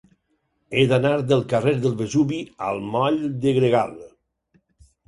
He d'anar del carrer del Vesuvi al moll de Gregal.